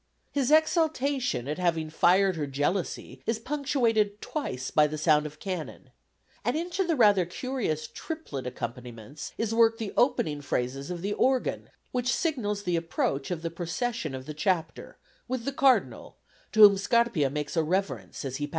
His exultation at having fired her jealousy is punctuated twice by the sound of cannon; and into the rather curious triplet accompaniments is worked the opening phrases of the organ, which signals the approach of the procession of the Chapter, with the Cardinal, to whom Scarpia makes a reverence as he passes him.